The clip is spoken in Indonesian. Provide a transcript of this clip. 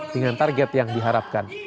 dengan target yang diharapkan